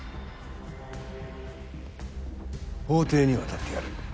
法廷には立ってやる。